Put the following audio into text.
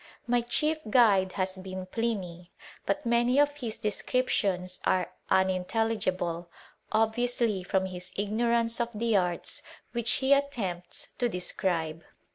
My chief guide has been Pliny, but many of his descriptions are unintelligible, obviously from his ignorance of the processes which he attempts to de scribe.